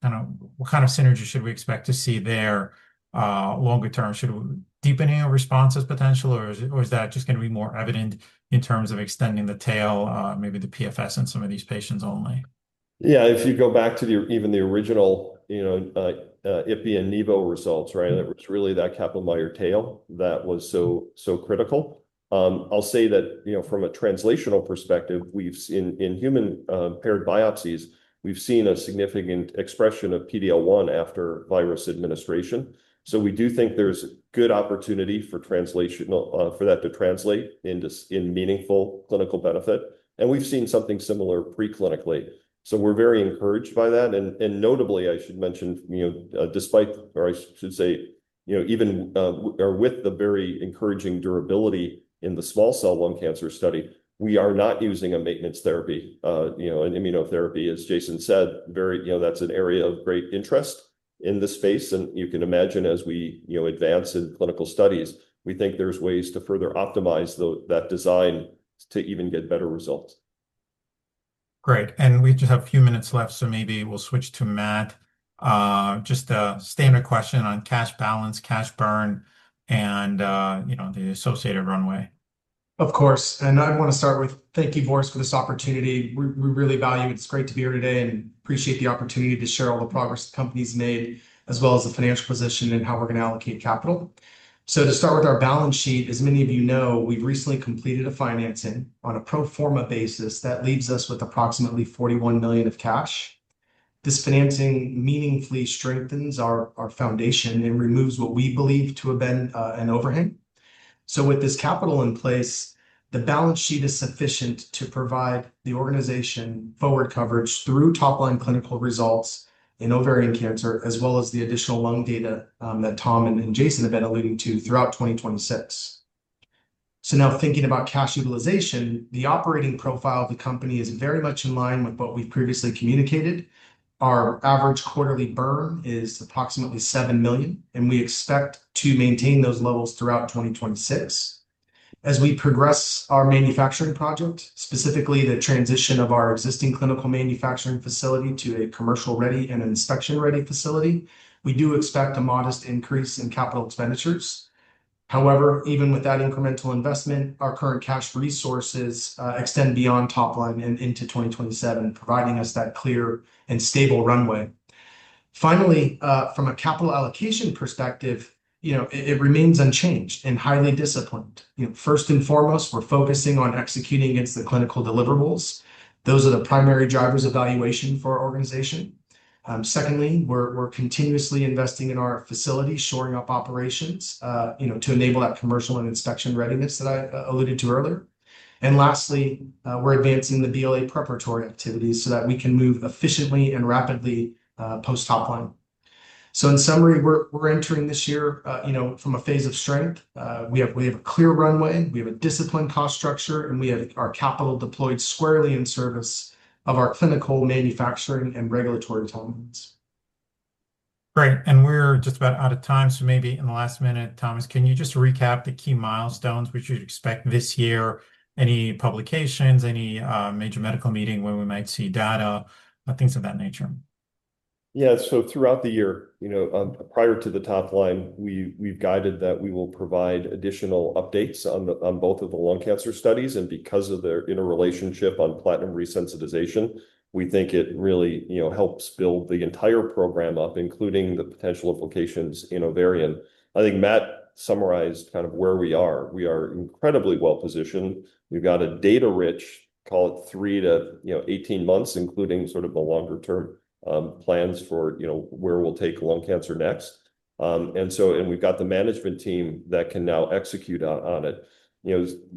of synergy should we expect to see there longer term? Should deepening of responses potential, or is that just going to be more evident in terms of extending the tail, maybe the PFS in some of these patients only? Yeah. If you go back to even the original ipi and nivo results, it was really that Kaplan-Meier tail that was so critical. I'll say that from a translational perspective, in human paired biopsies, we've seen a significant expression of PD-L1 after virus administration. We do think there's good opportunity for that to translate into meaningful clinical benefit, and we've seen something similar pre-clinically. We're very encouraged by that. Notably, I should mention, despite, or I should say even with the very encouraging durability in the small cell lung cancer study, we are not using a maintenance therapy, an immunotherapy. As Jason said, that's an area of great interest in this space. You can imagine, as we advance in clinical studies, we think there's ways to further optimize that design to even get better results. Great. We just have a few minutes left, so maybe we'll switch to Matt. Just a standard question on cash balance, cash burn, and the associated runway. Of course. I want to start with thanking you, Boris, for this opportunity. We really value it. It's great to be here today and appreciate the opportunity to share all the progress the company's made, as well as the financial position and how we're going to allocate capital. To start with our balance sheet, as many of you know, we've recently completed a financing on a pro forma basis that leaves us with approximately $41 million of cash. This financing meaningfully strengthens our foundation and removes what we believe to have been an overhang. With this capital in place, the balance sheet is sufficient to provide the organization forward coverage through top-line clinical results in ovarian cancer, as well as the additional lung data that Tom and Jason have been alluding to throughout 2026. Now thinking about cash utilization, the operating profile of the company is very much in line with what we've previously communicated. Our average quarterly burn is approximately $7 million, and we expect to maintain those levels throughout 2026. As we progress our manufacturing project, specifically the transition of our existing clinical manufacturing facility to a commercial-ready and inspection-ready facility, we do expect a modest increase in capital expenditures. However, even with that incremental investment, our current cash resources extend beyond top line and into 2027, providing us that clear and stable runway. Finally, from a capital allocation perspective, it remains unchanged and highly disciplined. First and foremost, we're focusing on executing against the clinical deliverables. Those are the primary drivers of valuation for our organization. Secondly, we're continuously investing in our facility, shoring up operations to enable that commercial and inspection readiness that I alluded to earlier. Lastly, we're advancing the BLA preparatory activities so that we can move efficiently and rapidly post top line. In summary, we're entering this year from a phase of strength. We have a clear runway, we have a disciplined cost structure, and we have our capital deployed squarely in service of our clinical manufacturing and regulatory timelines. Great. We're just about out of time, so maybe in the last minute, Thomas, can you just recap the key milestones which we'd expect this year? Any publications, any major medical meeting where we might see data, things of that nature? Yeah. Throughout the year, prior to the top line, we've guided that we will provide additional updates on both of the lung cancer studies. Because of their interrelationship on platinum resensitization, we think it really helps build the entire program up, including the potential implications in ovarian. I think Matt summarized where we are. We are incredibly well-positioned. We've got a data-rich, call it 3-18 months, including the longer-term plans for where we'll take lung cancer next. We've got the management team that can now execute on it.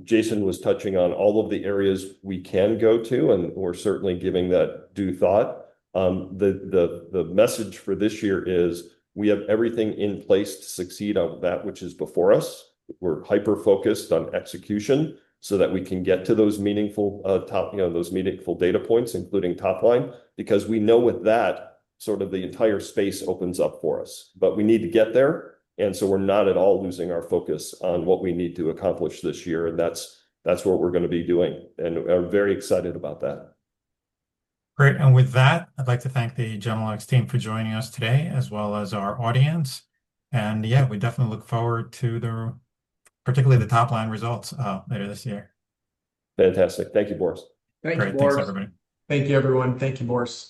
Jason was touching on all of the areas we can go to, and we're certainly giving that due thought. The message for this year is we have everything in place to succeed on that which is before us. We're hyper-focused on execution so that we can get to those meaningful data points, including top line, because we know with that, the entire space opens up for us. We need to get there, and so we're not at all losing our focus on what we need to accomplish this year. That's what we're going to be doing, and are very excited about that. Great. With that, I'd like to thank the Genelux team for joining us today as well as our audience. Yeah, we definitely look forward to particularly the top-line results later this year. Fantastic. Thank you, Boris. Thank you, Boris. Great. Thanks, everybody. Thank you, everyone. Thank you, Boris.